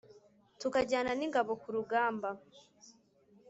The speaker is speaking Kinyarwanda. tukajyana n’ingabo ku rugamba